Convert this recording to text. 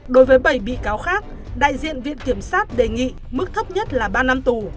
đối với bảy bị cáo khác đại diện viện kiểm sát đề nghị mức thấp nhất là ba năm tù